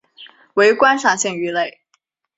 为观赏性鱼类。